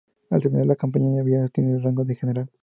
Al terminar la campaña, ya había obtenido el rango de general.